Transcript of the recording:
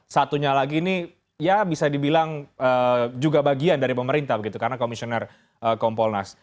satunya lagi ini ya bisa dibilang juga bagian dari pemerintah begitu karena komisioner kompolnas